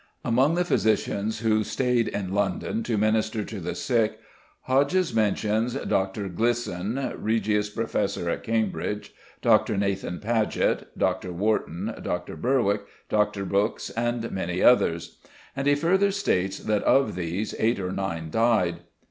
Among the physicians who stayed in London to minister to the sick, Hodges mentions "Dr. Glisson, Regius Professor at Cambridge, Dr. Nath. Paget, Dr. Wharton, Dr. Berwick, Dr. Brookes, and many others." And he further states that of these, eight or nine died.